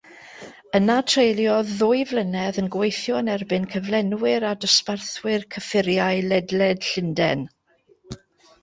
Yna treuliodd ddwy flynedd yn gweithio yn erbyn cyflenwyr a dosbarthwyr cyffuriau ledled Llundain.